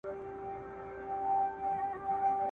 ته به زیارت یې د شهیدانو !.